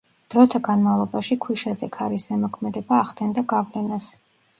დროთა განმავლობაში ქვიშაზე ქარის ზემოქმედება ახდენდა გავლენას.